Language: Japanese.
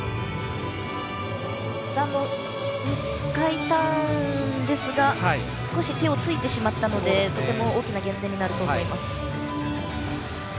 座の２回ターンで少し手をついてしまったのでとても大きな減点になると思います。